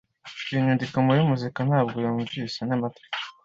iyo nyandiko muri muzika ntabwo yumvise n'amatwi?